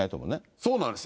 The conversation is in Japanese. そうなんです。